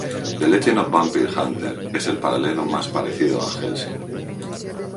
The Legend Of The Vampire Hunter es el paralelo más parecido a Hellsing.